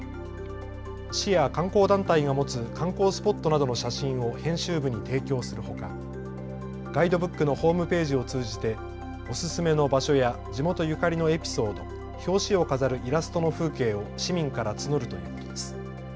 市や観光団体が持つ観光スポットなどの写真を編集部に提供するほかガイドブックのホームページを通じて、おすすめの場所や地元ゆかりのエピソード、表紙を飾るイラストの風景を市民から募るということです。